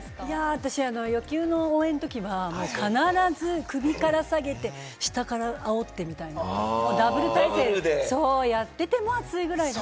私、野球の応援のときは必ず首から下げて、下からあおってみたいな、ダブル体制でやってても暑いぐらい。